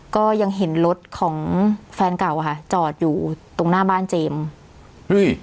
ก็ยังเห็นรถของแฟนเก่าอ่ะค่ะจอดอยู่ตรงหน้าบ้านเจมส์เฮ้ย